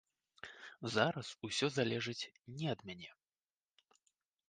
Зараз усё залежыць не ад мяне.